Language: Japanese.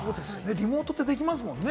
リモートでできますもんね。